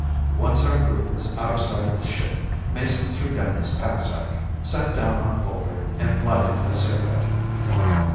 Once our group was out of sight of the ship, Mason threw down his packsack, sat down on a boulder and lighted a cigarette.